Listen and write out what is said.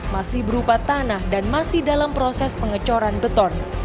masih berupa tanah dan masih dalam proses pengecoran beton